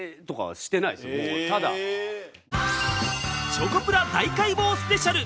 チョコプラ大解剖スペシャル